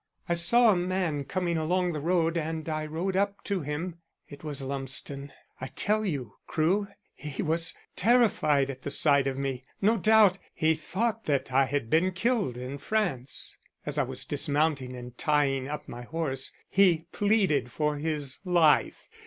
I saw a man coming along the road and I rode up to him. It was Lumsden. I tell you, Crewe, he was terrified at the sight of me no doubt he thought that I had been killed in France. As I was dismounting and tying up my horse he pleaded for his life.